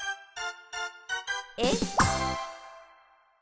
えっ？